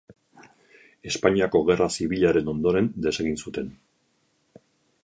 Espainiako Gerra Zibilaren ondoren desegin zuten.